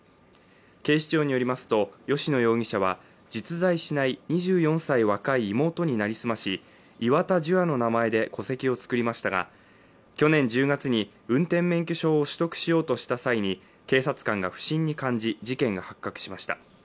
警視庁によりますと、吉野容疑者は実在しない２４歳若い妹に成り済まし、岩田樹亜の名前で戸籍を作りましたが去年１０月に運転免許証を取得しようとした際に警察官が不審に感じ、事件が発覚しました。